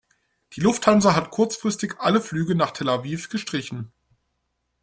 Die Lufthansa hat kurzfristig alle Flüge nach Tel Aviv gestrichen.